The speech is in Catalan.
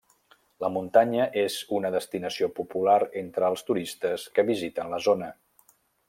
La muntanya és una destinació popular entre els turistes que visiten la zona.